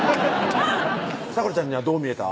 咲楽ちゃんにはどう見えた？